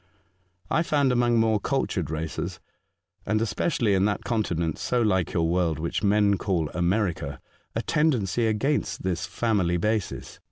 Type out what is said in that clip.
I found among more cultured races, and es pecially in that continent so like your world, which men call America, a tendency against this family basis.